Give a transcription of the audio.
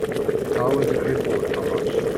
Cá bhfuil do dheirfiúr, a Thomáis